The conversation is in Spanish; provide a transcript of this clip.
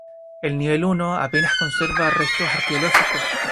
El Nivel I apenas conserva restos arqueológicos.